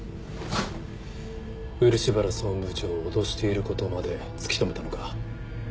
漆原総務部長を脅している事まで突き止めたのか？